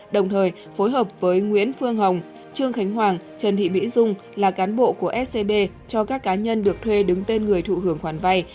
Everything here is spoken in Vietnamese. đồng thời phối hợp với nguyễn phương hồng trương khánh hoàng trần thị mỹ dung là cán bộ của scb cho các cá nhân được thuê đứng tên người thụ hưởng khoản vay